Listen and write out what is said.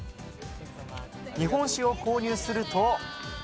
日本酒を購入すると。